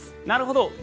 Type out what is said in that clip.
なるほど。